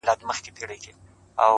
غنم او جوار دواړه حاصلات دي.